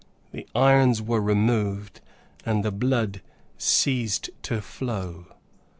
The irons were removed, and the blood ceased to flow.